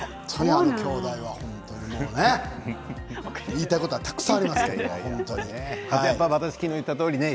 あのきょうだいは本当にもうね言いたいことはたくさんありますけれども本当にね。